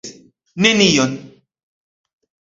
Nenion?